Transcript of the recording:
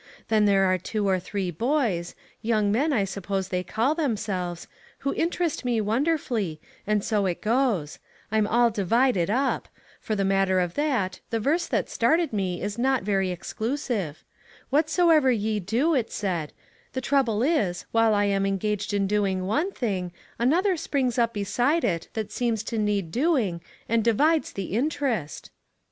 Then there are two or three boys — young men, I suppose they call them selves— who interest me wonderfully, and so it goes. I'm all divided up. For the matter 294 ONE COMMONPLACE DAY. of that, the verse that started me is not very exclusive. 4 Whatsoever ye do,' it said ; the trouble is, while I am engaged in doing one thing, another springs up beside it that seems to need doing, and divides the in terest."